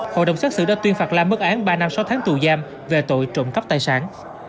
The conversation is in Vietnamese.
hội đồng xét xử đã tuyên phạt làm mất án ba năm sáu tháng tù giam về tội trộm cắp tài sản